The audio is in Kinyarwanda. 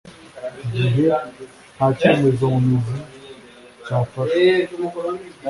Gihe Nta Cyemezo Mu Mizi Cyafashwe